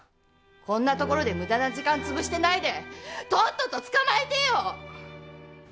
こんなところで無駄な時間つぶしてないでとっとと捕まえてよ！